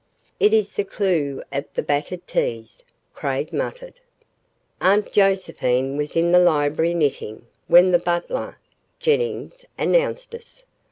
"It is the clue of the battered 'T's,'" Craig muttered. ........ Aunt Josephine was in the library knitting when the butler, Jennings, announced us.